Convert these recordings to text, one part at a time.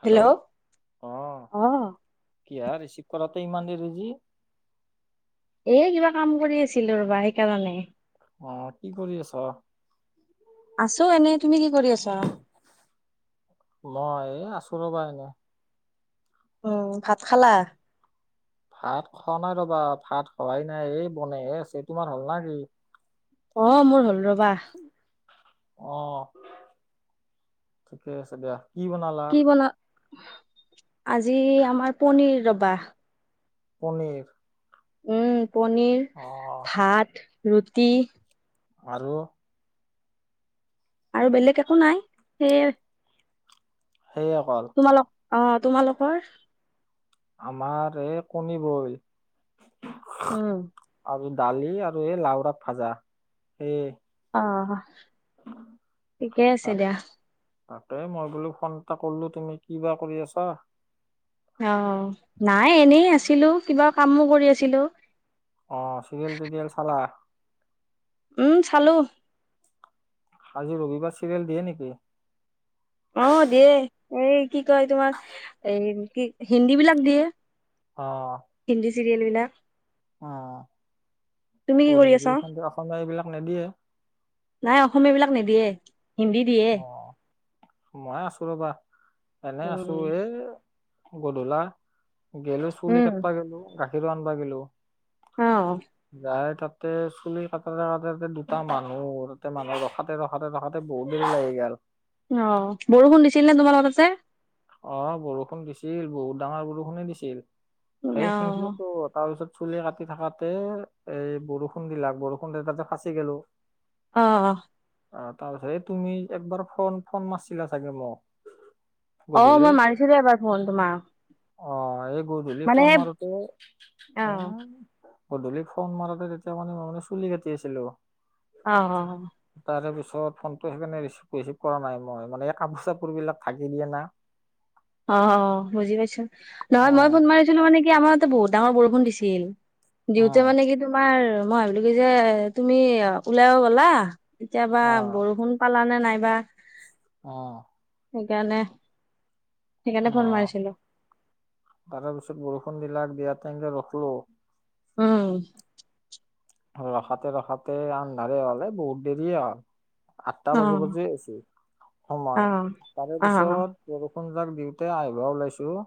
Hello অ কিয় receive কৰাতে ইমান দেৰিজি এ কিবা কাম কৰি আছিলো ৰবা সেইকাৰণে অ কি কৰি আছ। আছো এনে তুমি কি? কৰি আছা? মই এ আছোঁ ৰ'বা এনে। উম, ভাত খালা? ভাত খোৱা নাই ৰবা ভাত খোৱাই নাই এই বনে এই আছে। তোমাৰ হল ন কি? অ, মোৰ হল ৰবা। আহ ঠিকে আছে দিয়া। কি বনালা? কি বনা আজি আমাৰ পনিৰ ৰবা। পনীৰ। উম, পনীৰ, অ ভাত, ৰুটি। আৰু? আৰু বেলেগ একো নাই। সেয়ে, সেয়ে অকল। তোমালোক অ, তোমালোকৰ? আমাৰ এই কণি বইল। উম। আৰু দালি আৰু এই লাওৰাত ভাজা সেই। অ, ঠিকে আছে তাক দিয়া। তাকে মই বোলো ফোন এটা কৰিলো তুমি কি বা কৰি আছা? অ, নাই এনেই আছিলো কিবা কামো কৰি আছিলো। অ, চিৰিয়েল-তিৰীয়েল চালা? উম চালোঁ। আজি ৰবিবাৰ চিৰিয়েল দিয়ে নেকি? অ, দিয়ে এই কি কয় তোমাৰ এ কি হিন্দী বিলাক দিয়ে। আহ। হিন্দী চিৰিয়েল বিলাক। অ, তুমি কি অ কৰি হিন্দী আছা? খ অসমীয়া এইবিলাক নিদিয়ে। নাই অসমীয়া বিলাক নিদিয়ে, হিন্দী দিয়ে। অ মই আছো ৰবা এনে আছো উম। এই গধূলা গেলো চুলি উম, কাটবা গলো গাখীৰো আনবা গলো। অ', যাই তাত, ততে চুলি কাটতে কাটেতে দুটা মানুহতে মানুহে ৰখাতে ৰখাতে ৰখাতে বহুত দেৰি লাগি গাল। অ, বৰষুণ দিছিল নে তোমালোকৰ তাতে? অ, বৰষুণ দিছিল। বহুত ডাঙৰ বৰষুণে দিছিল। সেই অ', শিখিলেতো তাৰপিছত চুলি কাটি থাকতে এ বৰষুণ দিলাক বৰষুণতে তাতে ফাঁচি গলো। অ, অ। আহ তাৰপিছত এই তুমি একবাৰ ফোন ফোন মাছিলা চাগে মোক। অ, গধূলি মই মাৰিছিলো এবাৰ ফোন তোমাক। অ, এই গধূলি মানে ফোন সেই মাৰ অ', গধূলিক ফোন মাৰতে তেতিয়া মানে মানে চুলি কাটি আছিলো। অ, অ। তাৰে পিছত ফোনটো সেইকাৰণে ৰিচিভ ৰিচিভ কৰা নাই মই। মানে এই কাপোৰ-চাপোৰবিলাক ঢাকি দিয়ে নাই। অ, বুজি পাইছো। অ নহয় মই ফোন মাৰিছিলো মানে কি আমাৰ ততে বহুত ডাঙৰ বৰষুণ দিছিল। অ দিওঁতে মানে কি তোমাৰ মই ভাব কৈ যে তুমি ওলাইব গ'লা'- কেতিয়াবা অ বৰষুণ পালা নে নাইবা? আহ। সেইকাৰণে। সেইকাৰণে অ, ফোন মাৰিছিলো। তাৰপিছত বৰষুণ দিলাক দিয়া টাইমে ৰখলো। উম। ৰখাতে ৰখাতে আন্ধাৰে হ বহুত দেৰি হল। আঠটা বাজি অ', বাজি আছ সময় অ', তাৰে অ', অ'। পিছতৰ বৰষুণ যাক দিওঁতে আহিব ওলাইছো।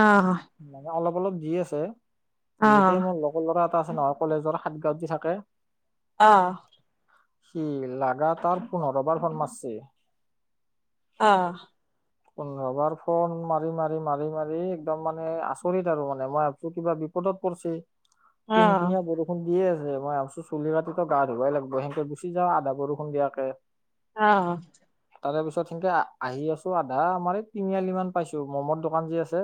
আহ। মানে অলপ দি আছে দিহতেই মোৰ লগৰ ল'ৰা এটা আছে নহয় কলেজৰ সাত গাঁৱত দি থাকে। আহ। সি লাগাতাৰ পোন্ধৰবাৰ ফন মাৰছে। অ। কন্ ৰবাৰ ফোন মাৰি মাৰি মাৰি মাৰি একদম মানে আচৰিত আৰু মানে মই ভাবিছো কিবা। বিপত পৰিছে কিনকিনীয়া বৰষুণ। দিয়ে আছে মই ভাবিছো চুলি কাটিতো গা ধুবাই লাগব সেনেকে গুচি যাওঁ আধা বৰষুণ দিয়াকে। আহ। তাৰে পিছত সেনকে আহি আছো আধা আমাৰ এই তিনিআলি মান পাইছো মমৰ দোকান যি আছে।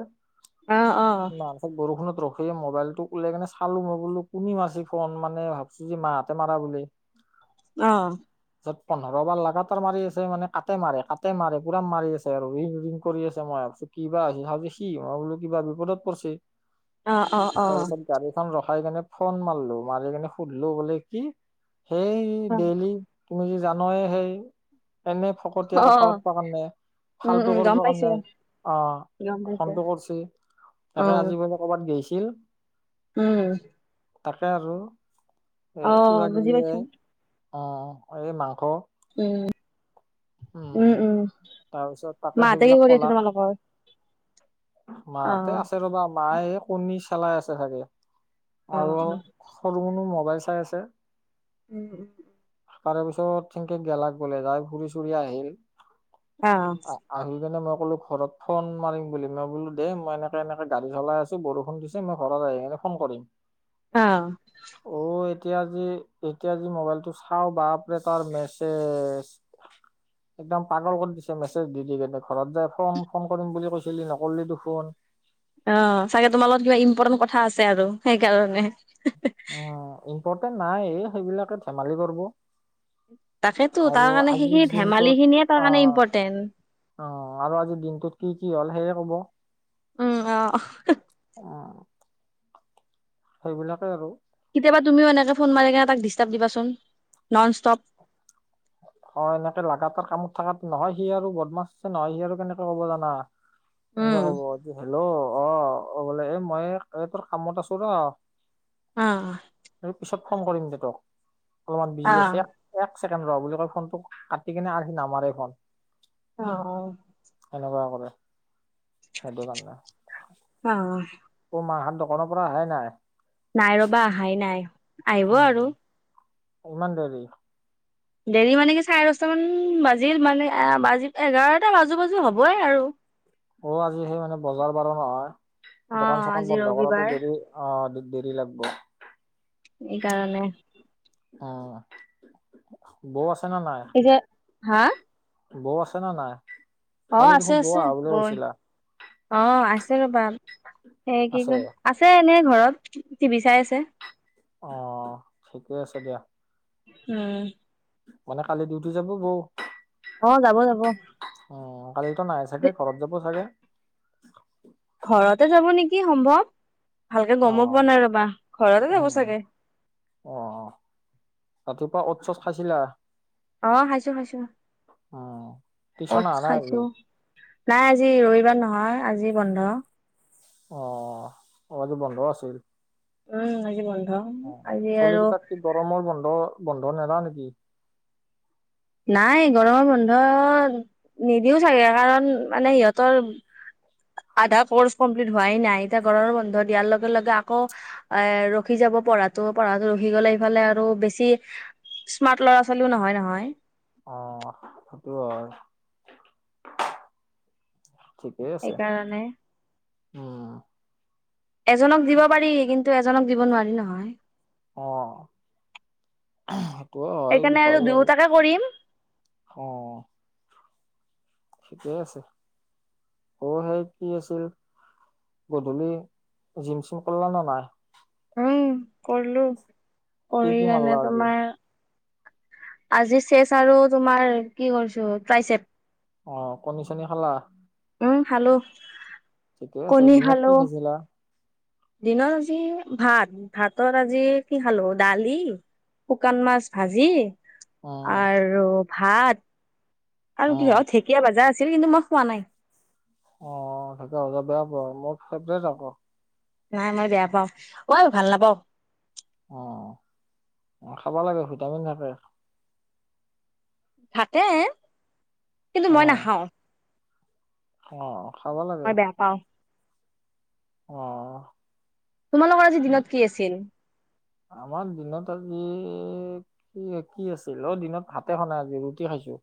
ম বৰষুণত ৰখি মোবাইলতটো উওলাই কিনে চালো মই বোলো কোনে মাছ। ফন মানে ভাবছো যে মাহতে মাৰা বুলি। আহ। ত পোন্ধৰ বাৰ লাগাতাৰ মাৰি আছে মানে কাটতে মাৰে কাটতে মাৰে পুৰা মাৰি আছে আৰু ৰিং ৰিং কৰি আছে মই। তাৰি ক বা চ যে সি মই বোলো কিবা বিপদত পৰিছে। আহ অ অ। খাই কেনে ফোন মাৰলো মাৰি কেনে সুধিলো বোলে কি সেই ডেইলি। তুমি যি জানয়ে সেই। এনে ফকতীয়া কথা পাতিব কাৰণে উম, ফালতটো উম, গম কৰিব পাইছো, কাৰণে আহ। গম পাইছো। ফোনটো কৰছ তাকে আজি অ', বোলে কৰ'বাত গৈছিল। উম। তাকে আৰু এই অ', বুজি কিবাকিবি এ পাইছো। অ এই মাংস। উ উম উম তাৰপিছত তাকে মা হতে কি সেইবিলাক কৰি আছে তোমালোকৰ। মা হতে অ', আছে ৰবা মায়ে এ কণী চেলাই আছে চাগে। অ অ। কোনো মোবাইল চাই আছে। উম উম উ। তাৰে পিছত থেনকে গেলাক গ'লে যাই ফুৰি চুৰি আহিল। অ', আ আহি কিনে মই কলো ঘৰত ফোন মাৰিম বুলি। মই বোলো দে মই এনেকে এনেকে গাড়ী চলাই আছো বৰষুণ দিছে মই ঘৰত আহিনে ফোন কৰিম। অ। অ এতিয়া যি এতিয়া যি মোবাইলটো চাও বাপৰে তাৰ মেছেজ। একদম পাগল কৰি দিছে মেছেজ দি দি কেনে ঘৰত যাই ফোন ফোন কৰিম বুলি কৈছে। খেলি নকলি দেখোন। অ চাগে তোমাৰ লগত কিবা ইম্পৰ্টেণ্ট কথা আছে আৰু সেইকাৰণে। উ ইম্পৰ্টেণ্ট নাই সেইবিলাকে ধেমালি কৰব। তাকেতো তাৰ কাৰণে সেইখিনি দিনটোত ধেমালি খিনিয়ে তাৰ অ কাৰণে ইম্পৰ্টেণ্ট। অ আৰু আজি দিনটোত কি কি হ'ল সেয়ে কব। উম অ। উম সেইবিলাকে আৰু। কেতিয়াবা তুমিও এনেকে ফোন মাৰি কেনে তাক ডিষ্টাৰ্ব দিবাচোন ননষ্টপ। হয় এনেকে লাগাতাৰ কামত থকাত নহয় সি আৰু বদমাছ আছে নহয় সি আৰু কেনেকে ক'ব জানা। উম হেনকে কব হেল্ল' অ। অ বোলে এ মই এই তোৰ কামত আছো ৰ। অ। এই পিছত ফোন কৰিম দে তক অলপমান বিজি আছে অ', এক এক চে ৰ বুলি কয় ফোনটো কাটি কিনে আৰ সি নামাৰে ফন। অ অ। কৰে সেইটো কাৰণে অ। মা হত দোকানৰ পৰা অহাই নাই। নাই ৰবা অহাই নাই আহিব উম, আৰু ইমান দেৰি ডেৰি মানে কি চাৰে দহটামান বাজিল মানে বাজি এঘাৰটা বাজু বাজু হ'বই আৰু অ আজি সেই মানে বজাৰ বাৰু নহয় দোকান অ', চোকান আজি বন্ধ কৰতে ৰবিবাৰ দেৰি অহ দেৰি লাগব এইকাৰণে অ বৌ আছে নে নাই পিছে হা বৌ আছে নে নাই অ কালি আছে দেখোন বৌ আছে আহা বুলি বও এ কৈছিলা অ আছে ৰ'বা এ কি আছে কয় আছে এনে ঘৰত টিভি চাই আছে অ ঠিকে আছে দিয়া উম মানে কালি ডিউটি যাব বৌ অ', যাব যাব। উ কালিতো নাই চাগে ঘৰত যাব চাগে ঘৰতে যাব নিকি সম্ভৱ ভালকে অ গমো পোৱা নাই ৰবা ঘৰতে যাব উম চাগে অ ৰাতিপুৱা অত চচ খাইছিলা অ খাইছো খাইছো উম টিউচন অতচ অহা নাই খাইছো আজি নাই আজি ৰবিবাৰ নহয় আজি বন্ধ অ আজি বন্ধ আছিল উম আজি বন্ধ অ আজি আৰু হলেকি তাত কি গৰমৰ বন্ধ বন্ধ নেদা নেকি নাই গৰমৰ বন্ধ নিদিও চাগে কাৰণ মানে সিহঁতৰ আধা কৰ্চ কমপ্লিট হোৱাই নাই এতিয়া ঘৰৰ বন্ধ দিয়াৰ লগে লগে আকৌ এ ৰখি যাব পঢ়াটো পঢ়াটো ৰখি গলে ইফালে আৰু বেছি স্মাৰ্ট ল'ৰা ছোৱালীও নহয় নহয় অ সেইটো হয় ঠিকেই আছে সেইকাৰণে উম এজনক দিব পাৰি কিন্তু এজনক দিব নোৱাৰি নহয় অ এটো হয় সেইকাৰণে আৰু হয় বাৰু দুয়োটাকে কৰিম। অ ঠিকেই আছে অ সেই কি আছিল গধূলি জিম চিম কৰলা নে নাই উম কৰিলো কি কৰি কি কেনে মাৰলা আজি তোমাৰ আজি চেচ আৰু তোমাৰ কি কৰিছো প্ৰাই চেপ অ কণী চনী খালা উম খালো ঠিকে আছে কণী দিনত খালো কি খাইছিলা দিনত আজি ভাত ভাতৰ আজি কি খালো দালি শুকান মাছ ভাজি অ আৰু ভাত অ আৰু কি হয় ঢেকীয়া ভাজা আছে চ কিন্তু মই খোৱা নাই অ থিকে বেয়া পোৱা মোৰ ফেভৰেট আকৌ নাই মই বেয়া পাও মই ভাল নাপাও অ খাব লাগে ভিটামিন থাকে থাকে কিন্তু অ মই নাখাওঁ অ খাব মই বেয়া পাও অহ তোমালোকৰ আজি দিনত কি আছিল আমাৰ দিনত আজি কি কি আছিল অ দিনত ভাতে খোৱা নাই আজি ৰুটি খাইছো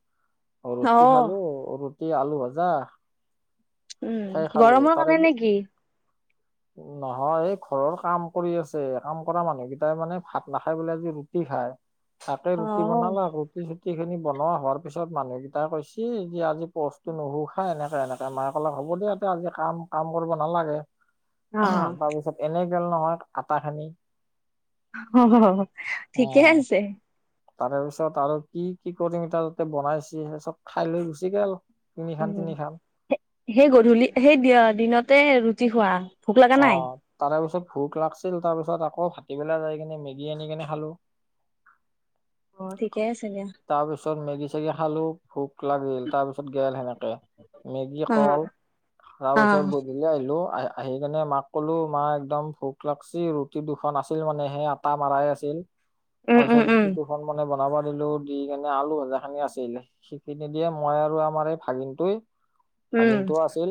অ ৰুটি খালো ৰুটি আলু ভজা উম গৰমৰ কাৰণে নেকি নহয় এই ঘৰৰ কাম কৰি আছে কাম কৰা মানুহ কেইটাই মানে ভাত নাখাই পেলাই আজি ৰুটি খাই তাকে অ ৰুটি বনালা ৰুটি চুটি গুটেইখিনি বনোৱা হোৱাৰ পিছত মানুহকেইটাই কৈছে যে আজি পস্তটো নুশু খ এনেকে এনেকে মাক অকলাক হ'ব দিয়া আজি কাম কাম কৰিব নালাগে অ তাৰপিছত এনে গেল নহয় আটা খিনি অ ঠিকে উম। আছে তাৰে পিছত আৰু কি কি কৰিম তাৰ যাতে বনাইছে সেই চব খাই লৈ গুচি গে অল উ সেই গধূলি সেই দিনতে ৰুটি খোৱা ভোক লগা অ নাই তাৰে পিছত ভোক লাগিছিল তাৰপিছত আকৌ ভ কবেলা যাই কিনে মেগী আনি কেনে খালো অ ঠিকে আছে দিয়া তাৰপিছত মেগী চেগি খালো ভোক লাগিল তাৰ পিছত গেল সেনেকে মেগী অ', কল তাৰপিছত অ', গধূলি আহিলো আহিলোঁ যেনে মাক ক'লো মা একদম ভোক লাগছি ৰুটি দুখন আছিল মানে সে আটা মাৰাই আছিল উম, উম, তাৰপিছত উম, ৰুটি দুখন মানে বনাব দিলো দি কিনে আলু ভজা খিনি আছিল সেইখিনি দিয়ে মই আৰু আমাৰ এই ভাগিনটোৱে উম, ভাগিনটো আছিল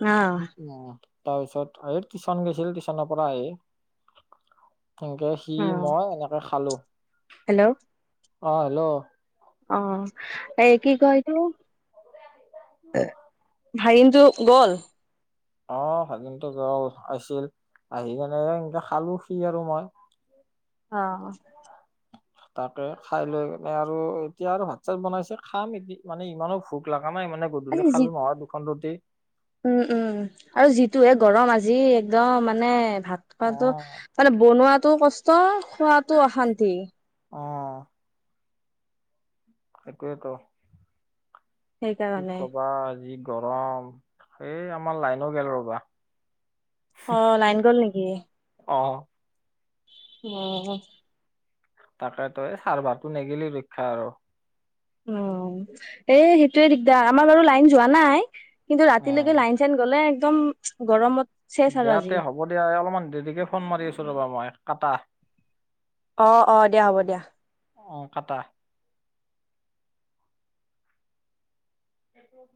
অ', উম তাৰ পিছত এই টিউচন গৈছিল টিউচনৰ পৰা আহি সেনেকে সি অ', মই এনেকে খালো হেল্ল' অ হেল্ল' অ এ কি কয় এইটো এ ভাগিনটো গ'ল অ ভাগিনটো গল আছিল আহিকেনে এ খালো সি আৰু মই অ তাকে খাই লৈ মানে আৰু এতিয়া আৰু ভাত চাত বনাইছে খাম এ মানে ইমানো ভোক লাগা আমাৰ মানে আজি মই যি খালো নহয় দুখন ৰুটি উম উম আৰু যিটো এ গৰম আজি একদম মানে ভাত অ খোৱাতটো মানে বনোৱাটো কষ্ট খোৱাটো অশান্তি অঁ সটোয়েতো কি সেইকাৰণে। কবা আজি গৰম এই আমাৰ লাইনো গেল ৰ'বা অ লাইন গল নেকি অ আহ তাকেতো এই চাৰ্ভাৰটো নেগিলি ৰক্ষা আৰু অ এ সেইটোৱে দিগদাৰ আমাৰ বাৰু লাইন যোৱা নাই কিন্তু ৰাতিলৈকে উম লাইন চাইন গ'লে একদম গৰমত চেচ আৰু আজি। বেয়াতে হ'ব দিয়া অলপমান দেৰিকে ফোন মাৰি আছো ৰ'বা মই কাটা অ অ দিয়া হ'ব দিয়া অ কাটা সেইটো [inaudible]